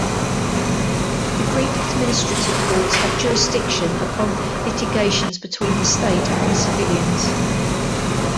The Greek administrative courts have jurisdiction upon litigations between the State and the civilians.